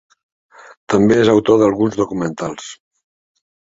També és autor d'alguns documentals.